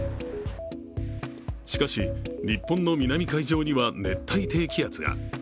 しかし、日本の南海上には熱帯低気圧が。